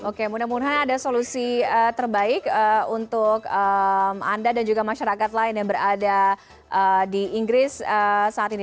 oke mudah mudahan ada solusi terbaik untuk anda dan juga masyarakat lain yang berada di inggris saat ini